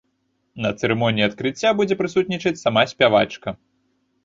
На цырымоніі адкрыцця будзе прысутнічаць сама спявачка.